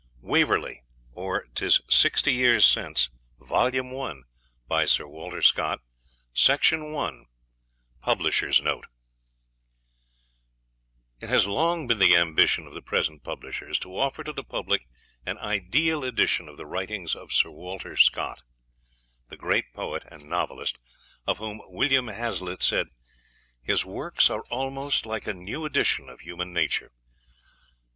] WAVERLEY OR 'T IS SIXTY YEARS SINCE BY SIR WALTER SCOTT VOLUME I PUBLISHERS' NOTE It has long been the ambition of the present publishers to offer to the public an ideal edition of the writings of Sir Walter Scott, the great poet and novelist of whom William Hazlitt said, 'His works are almost like a new edition of human nature.'